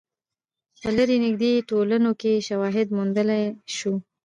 په لرې نژدې ټولنو کې شواهد موندلای شو.